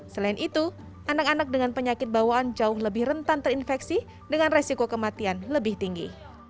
selain itu anak anak dengan penyakit bawaan jauh lebih rentan terinfeksi dengan resiko kematian lebih tinggi